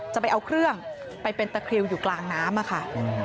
จะเอาเครื่องไปเป็นตะคริวอยู่กลางน้ำค่ะ